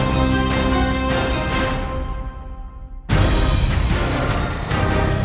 sudah mengangkat nenek